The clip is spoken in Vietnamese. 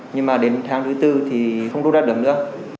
nhưng mà đến tháng thứ tư thì không đốt đắt được nữa